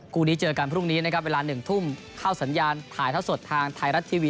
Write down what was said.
คู่นี้เจอกันพรุ่งนี้นะครับเวลา๑ทุ่มเข้าสัญญาณถ่ายเท่าสดทางไทยรัฐทีวี